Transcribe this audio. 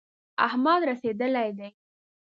احمد رسېدلی دی.